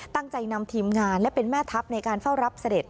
ตั้งใจนำทีมงานและเป็นแม่ทัพในการเฝ้ารับเสด็จ